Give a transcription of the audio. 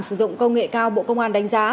sử dụng công nghệ cao bộ công an đánh giá